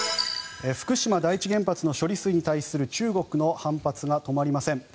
福島第一原発の処理水に対する中国の反発が止まりません。